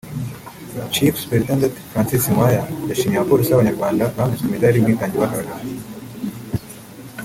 Chief Superintendent Francis Nkwaya yashimye abapolisi b’Abanyarwanda bambitswe imidari ubwitange bagaragaje